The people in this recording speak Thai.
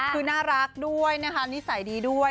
คือน่ารักด้วยนะคะนิสัยดีด้วย